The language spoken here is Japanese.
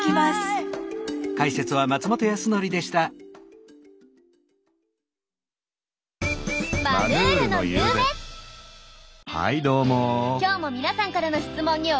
今日も皆さんからの質問にお答えします。